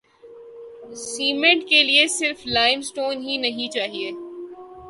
Cement کیلئے صرف lime stone ہی نہیں چاہیے۔